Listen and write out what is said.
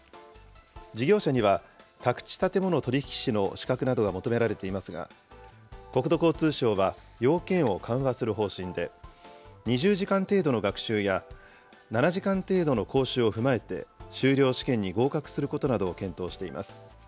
事業者には、宅地建物取引士の資格などが求められていますが、国土交通省は要件を緩和する方針で、２０時間程度の学習や、７時間程度の講習を踏まえて、修了試験に合格することなどを検討しています。